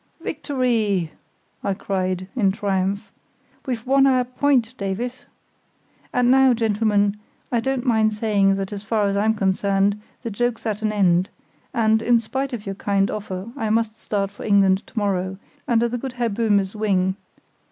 "Victory!" I cried, in triumph. "We've won our point, Davies. And now, gentlemen, I don't mind saying that as far as I am concerned the joke's at an end; and, in spite of your kind offer, I must start for England to morrow" under the good Herr Böhme's wing.